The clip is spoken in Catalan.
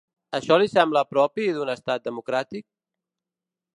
Això li sembla propi d’un estat democràtic?